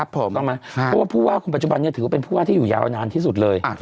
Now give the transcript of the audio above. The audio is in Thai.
เพราะว่าผู้ว่าคนปัจจุบันนี้ถือว่าเป็นผู้ว่าที่อยู่ยาวนานที่สุดเลย